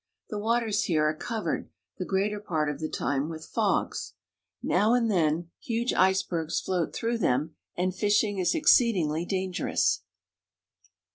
The waters here are covered, the greater part of the time, with fogs. Now and 3l6 BRITISH AMERICA. then huge icebergs float through them, and fishing is ex ceedingly dangerous.